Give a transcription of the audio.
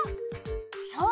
そう！